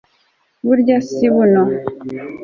burya si buno